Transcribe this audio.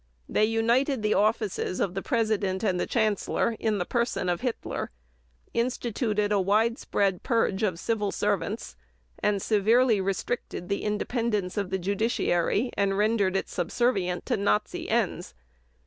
They united the offices of the President and the Chancellor in the person of Hitler; instituted a widespread purge of civil servants; and severely restricted the independence of the judiciary and rendered it subservient to Nazi ends.